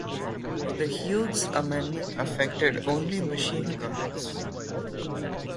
The Hughes Amendment affected only machine guns.